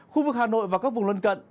khu vực hà nội và các vùng lân cận